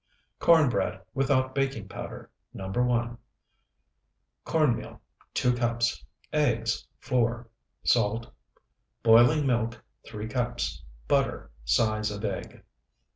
CORN BREAD WITHOUT BAKING POWDER NO. 1 Corn meal, 2 cups. Eggs, 4. Salt. Boiling milk, 3 cups. Butter, size of egg.